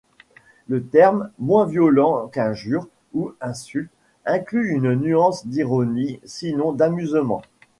Le terme, moins violent qu'injure ou insulte, inclut une nuance d'ironie, sinon d'amusement.